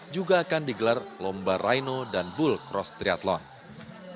juga akan digelar lomba ryno dan bull cross triathlon